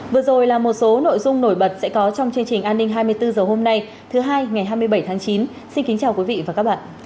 vừa rồi là một số nội dung nổi bật sẽ có trong chương trình an ninh hai mươi bốn h hôm nay thứ hai ngày hai mươi bảy tháng chín xin kính chào quý vị và các bạn